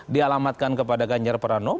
dialamatkan kepada ganjar pranowo